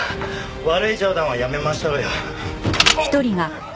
悪い冗談はやめましょうよ。